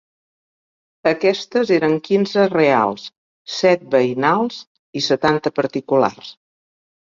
Aquestes eren quinze reals, set veïnals i setanta particulars.